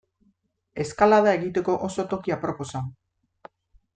Eskalada egiteko oso toki aproposa.